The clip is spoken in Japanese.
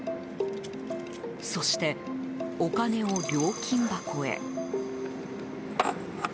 そして、お金を料金箱へ。